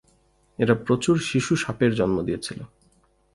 এরা প্রচুর শিশু সাপের জন্ম দিয়েছিল।